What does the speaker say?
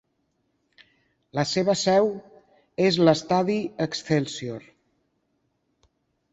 La seva seu és l'estadi Excelsior.